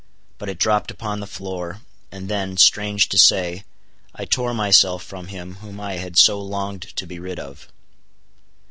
But it dropped upon the floor, and then,—strange to say—I tore myself from him whom I had so longed to be rid of.